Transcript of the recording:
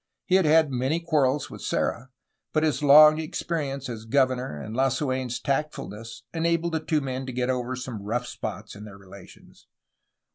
He had had many quarrels with Serra, but his long experience as governor and Lasu^n^s tactfulness enabled the two men to get over some rough spots in their relations.